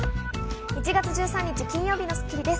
１月１３日、金曜日の『スッキリ』です。